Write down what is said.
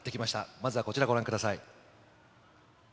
まずはこちら、ご覧ください。